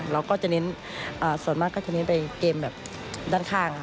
เราก็จะเน้นส่วนมากก็จะเน้นไปเกมแบบด้านข้าง